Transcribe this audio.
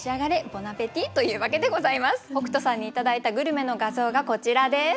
北斗さんに頂いたグルメの画像がこちらです。